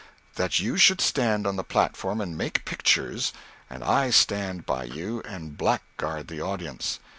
That you should stand on the platform and make pictures, and I stand by you and blackguard the audience.